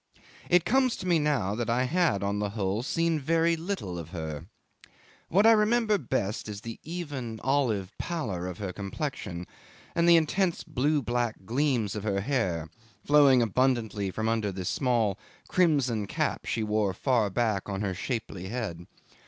'It comes to me now that I had, on the whole, seen very little of her. What I remember best is the even, olive pallor of her complexion, and the intense blue black gleams of her hair, flowing abundantly from under a small crimson cap she wore far back on her shapely head.